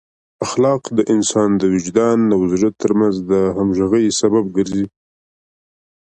اخلاق د انسان د وجدان او زړه ترمنځ د همغږۍ سبب ګرځي.